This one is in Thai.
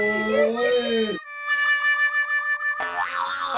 เอาดูผิดหรอ